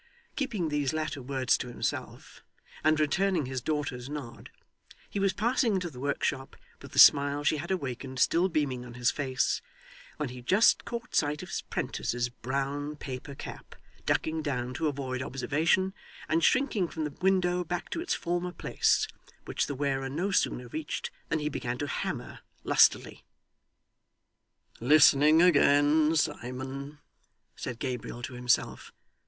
Keeping these latter words to himself, and returning his daughter's nod, he was passing into the workshop, with the smile she had awakened still beaming on his face, when he just caught sight of his 'prentice's brown paper cap ducking down to avoid observation, and shrinking from the window back to its former place, which the wearer no sooner reached than he began to hammer lustily. 'Listening again, Simon!' said Gabriel to himself.